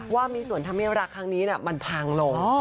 ว่ามีส่วนทำให้รักครั้งนี้มันพังลง